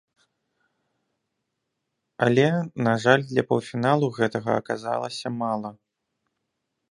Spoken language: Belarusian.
Але, на жаль, для паўфіналу гэтага аказалася мала.